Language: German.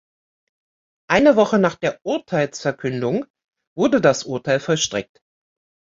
Eine Woche nach der Urteilsverkündung wurde das Urteil vollstreckt.